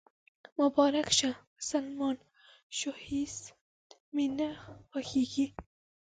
مبارک شه، مسلمان شوېهیڅ مې نه خوښیږي